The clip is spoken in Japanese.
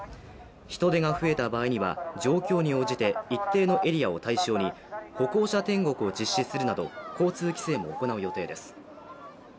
人出が増えた場合には、状況に応じて一定のエリアを対象に歩行者天国を実施するなど、交通規制も行う予定です。